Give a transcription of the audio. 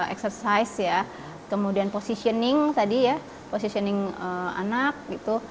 exercise ya kemudian positioning tadi ya positioning anak gitu